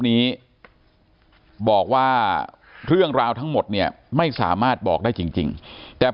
นี้บอกว่าเรื่องราวทั้งหมดเนี่ยไม่สามารถบอกได้จริงแต่